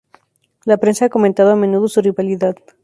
La prensa ha comentado a menudo su rivalidad.